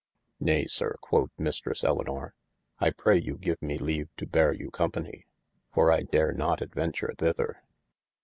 Naye syr quod Mistresse Elinor, I pray you give me leave to beare you company, for I dare not adventure thither.